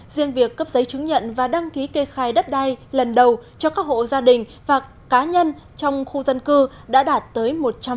riêng việc cấp giấy chứng nhận và đăng ký kê khai đất đai lần đầu cho các hộ gia đình và cá nhân trong khu dân cư đã đạt tới một trăm linh